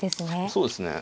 そうですね。